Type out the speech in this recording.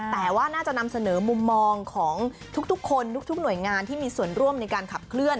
แต่ว่าน่าจะนำเสนอมุมมองของทุกคนทุกหน่วยงานที่มีส่วนร่วมในการขับเคลื